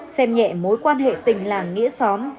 xem nhẹ mối quan hệ tình làng nghĩa xóm